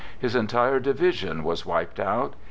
His entire division was wiped out.